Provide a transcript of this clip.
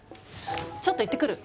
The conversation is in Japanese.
ちょっと行ってくる。